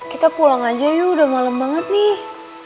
kita pulang aja yuk udah malem banget nih